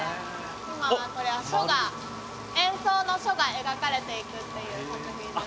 今はこれは書が円相の書が描かれていくっていう作品です。